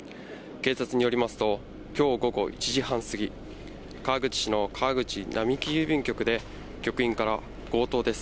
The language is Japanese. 警察によりますと、きょう午後１時半過ぎ、川口市の川口並木郵便局で、局員から、強盗です。